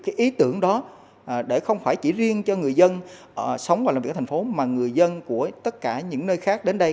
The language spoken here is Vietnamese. cái ý tưởng đó để không phải chỉ riêng cho người dân sống và làm việc ở thành phố mà người dân của tất cả những nơi khác đến đây